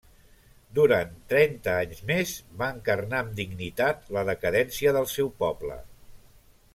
Durant trenta anys més, va encarnar amb dignitat la decadència del seu poble.